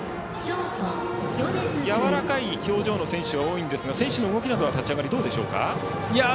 やわらかい表情の選手が多いんですが選手の動きなどは立ち上がり、どうでしょうか。